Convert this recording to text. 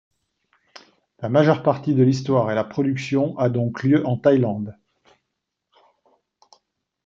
La majeure partie de l'histoire et la production a donc lieu en Thaïlande.